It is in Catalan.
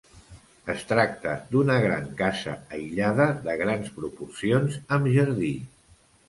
Es tracta d'una gran casa aïllada de grans proporcions amb jardí.